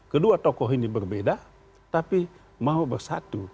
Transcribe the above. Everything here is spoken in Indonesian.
kedua tokoh ini berbeda tapi mau bersatu